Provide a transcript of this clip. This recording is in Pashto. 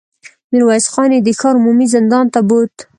ميرويس خان يې د ښار عمومي زندان ته بوت.